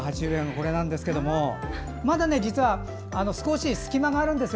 これなんですがまだ、実は少し隙間があるんです。